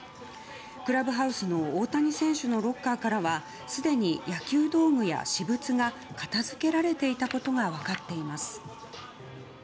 クラブハウスの大谷選手のロッカーからはすでに野球道具や私物が片付けられていたことが分かっています。